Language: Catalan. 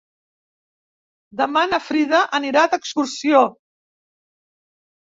Demà na Frida anirà d'excursió.